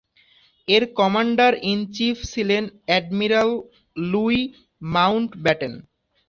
এর commander in chief ছিলেন admiral Louis Mountbatten.